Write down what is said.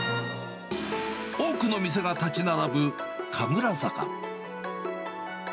多くの店が建ち並ぶ神楽坂。